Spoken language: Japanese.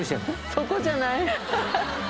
そこじゃない。